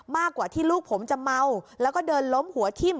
มากกว่าที่ลูกผมจะเมาแล้วก็เดินล้มหัวทิ่ม